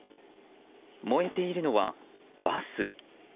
燃えているのはバス。